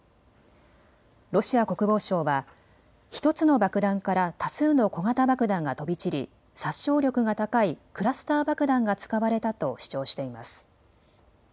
ロシア国防省は１つの爆弾から多数の小型爆弾が飛び散り殺傷力が高いクラスター爆弾が使われたと主張しています。